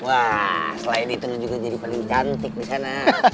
wah selain itu lo juga jadi paling cantik disana